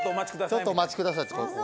ちょっとお待ちくださいってこう。